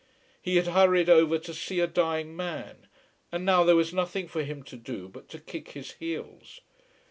He had hurried over to see a dying man, and now there was nothing for him to do but to kick his heels.